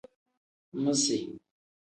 Misi.